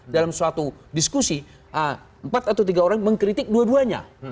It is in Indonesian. dalam suatu diskusi empat atau tiga orang mengkritik dua duanya